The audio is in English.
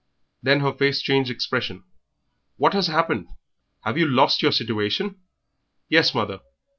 Then her face changed expression. "What has happened? Have you lost your situation?" "Yes, mother."